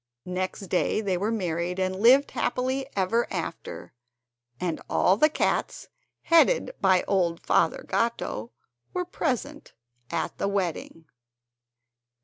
Next day they were married, and lived happy ever after; and all the cats, headed by old Father Gatto, were present at the wedding.